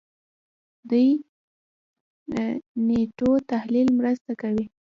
دې نېټو تحلیل مرسته کوي.